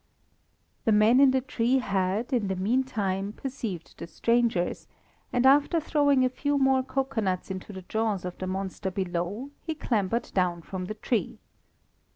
The man in the tree had, in the mean time, perceived the strangers, and after throwing a few more cocoanuts into the jaws of the monster below, he clambered down from the tree.